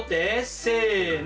せの。